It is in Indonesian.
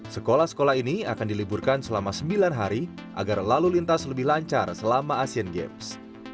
sekolah sekolah ini akan diliburkan selama sembilan hari agar lalu lintas lebih lancar selama asian games